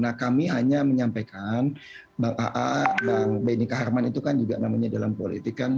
nah kami hanya menyampaikan bang aa bang benny kaharman itu kan juga namanya dalam politik kan